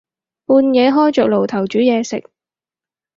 半夜開着爐頭煮嘢食